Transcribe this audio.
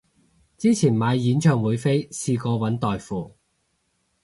之前買演唱會飛試過搵代付